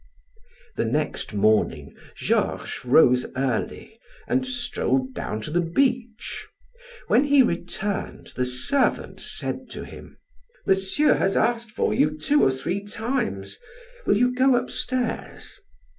The next morning Georges rose early and strolled down to the beach. When he returned the servant said to him: "Monsieur has asked for you two or three times. Will you go upstairs?"